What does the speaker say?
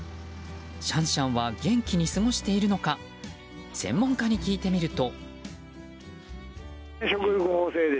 シャンシャンは元気に過ごしているのか専門家に聞いてみると。